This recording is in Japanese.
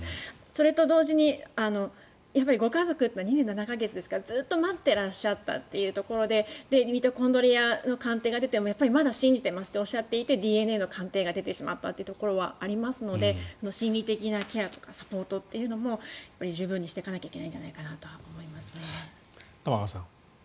それと同時にやっぱりご家族は２年７か月ですからずっと待っていたということでミトコンドリアの鑑定が出てもまだ信じていますとおっしゃっていてＤＮＡの鑑定が出てしまったことはありますので心理的なケア、サポートもやっぱり十分にしていかないといけないんじゃないかなと思いますね。